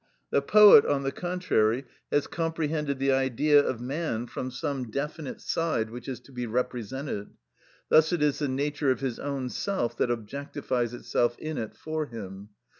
The poet, on the contrary, has comprehended the Idea of man from some definite side which is to be represented; thus it is the nature of his own self that objectifies itself in it for him.